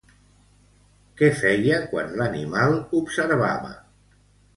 Què feia quan l'animal observava?